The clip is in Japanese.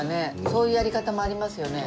そういうやり方もありますよね。